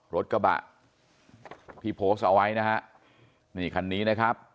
รถกระบะที่โพสต์เอาไว้นะฮะนี่คันนี้นะครับ